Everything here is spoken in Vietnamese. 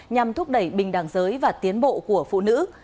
nhằm thúc đẩy bình đẳng giới và tiến bộ của phụ nữ